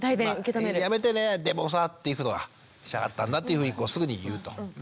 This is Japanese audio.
やめてねでもさっていうことがしたかったんだっていうふうにこうすぐに言うと。